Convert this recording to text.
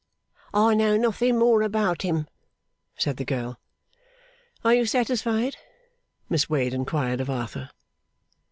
'I know nothing more about him,' said the girl. 'Are you satisfied?' Miss Wade inquired of Arthur.